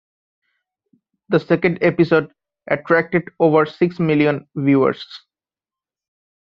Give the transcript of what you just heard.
The second episode attracted over six million viewers.